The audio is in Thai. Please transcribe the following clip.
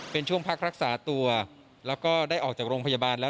เป็นช่วงพักรักษาตัวแล้วก็ได้ออกจากโรงพยาบาลแล้ว